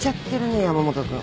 山本君。